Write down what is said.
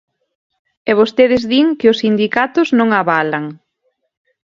E vostedes din que os sindicatos non avalan.